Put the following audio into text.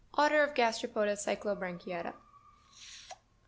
ORDER OF GASTEROPODA CYCLOBRANCHIATA.